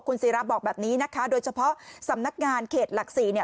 คุณศิราบอกแบบนี้นะคะโดยเฉพาะสำนักงานเขตหลัก๔เนี่ย